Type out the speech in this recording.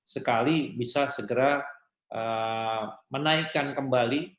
sekali bisa segera menaikkan kembali